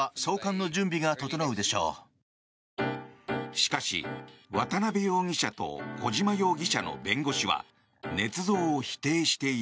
しかし、渡邉容疑者と小島容疑者の弁護士はねつ造を否定している。